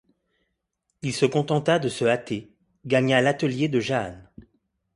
Il se contenta de se hâter, gagna l'atelier de Jahan.